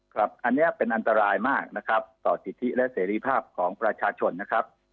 ครับอันนี้เป็นอันตรายมากนะครับต่อสิทธิและเสรีภาพของประชาชนนะครับ